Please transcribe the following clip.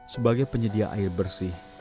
sebagai penyedia air bersih